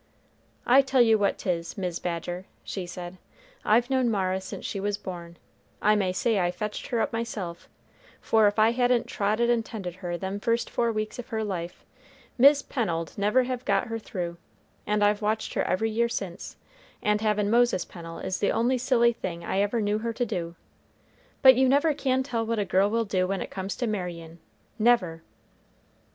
"I tell you what 'tis, Mis' Badger," she said, "I've known Mara since she was born, I may say I fetched her up myself, for if I hadn't trotted and tended her them first four weeks of her life, Mis' Pennel'd never have got her through; and I've watched her every year since; and havin' Moses Pennel is the only silly thing I ever knew her to do; but you never can tell what a girl will do when it comes to marryin', never!"